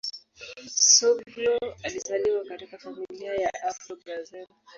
Soglo alizaliwa katika familia ya Afro-Brazil.